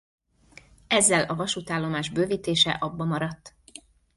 Ezzel a vasútállomás bővítése abbamaradt.